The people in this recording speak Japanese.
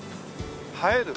映える。